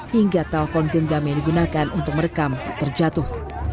hingga telpon genggam yang digunakan untuk merekam terjatuh